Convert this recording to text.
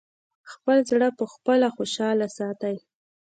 خپل زړه پخپله خوشاله ساتی!